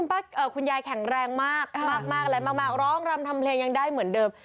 แล้วคุณยายแข็งแรงมากมากร้องแล้วแค่ทำเพลงยังได้เหมือนเดิม